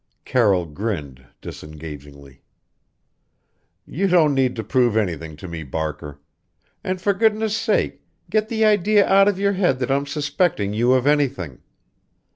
Carroll grinned disengagingly. "You don't need to prove anything to me, Barker. And for goodness' sake get the idea out of your head that I'm suspecting you of anything.